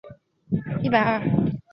大埔道于郝德杰道后通往琵琶山段。